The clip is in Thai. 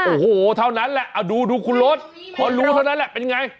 โอ้โหเท่านั้นแหละดูคุณรถพอรู้เท่านั้นแหละเป็นไง